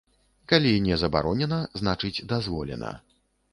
Калі не забаронена, значыць, дазволена.